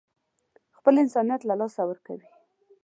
خپل انسانيت له لاسه ورکوي.